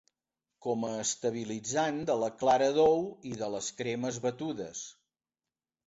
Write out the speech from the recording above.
Com a estabilitzant de la clara d'ou i de les cremes batudes.